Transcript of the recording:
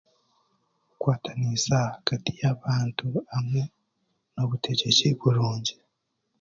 Kwatanisa ahagati y'abantu hamwe n'obutegyeki burungi